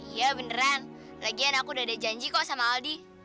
iya beneran lagian aku udah ada janji kok sama aldi